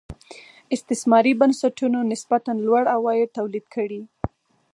استثماري بنسټونو نسبتا لوړ عواید تولید کړي.